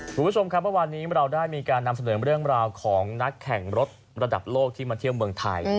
คุณผู้ชมครับเมื่อวานนี้เราได้มีการนำเสนอเรื่องราวของนักแข่งรถระดับโลกที่มาเที่ยวเมืองไทย